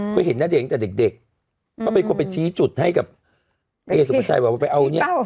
ก็เห็นณเดชน์ตั้งแต่เด็กก็เป็นคนไปชี้จุดให้กับเอสุภาชัยบอกว่าไปเอาเนี่ย